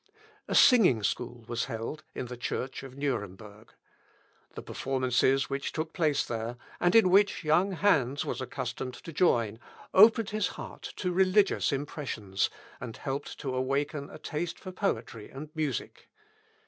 A singing school was held in the Church of Nuremberg. The performances which took place there, and in which young Hans was accustomed to join, opened his heart to religious impressions, and helped to awaken a taste for poetry and music.